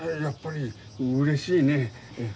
やっぱりうれしいね。